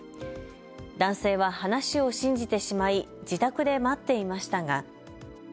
男性は話を信じてしまい自宅で待っていましたが。